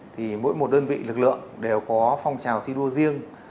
thì mỗi một đơn vị lực lượng đều có phong trào thi đua riêng